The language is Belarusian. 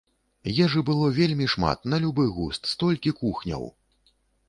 Ежы было вельмі шмат, на любы густ, столькі кухняў!